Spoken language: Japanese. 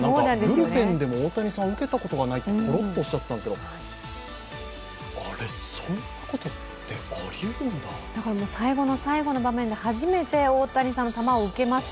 ブルペンでも大谷さん受けたことないってぽろっと言っていましたけどこれ、そういうことってありうるんだ最後の最後の場面で初めて大谷さんの球を受けます、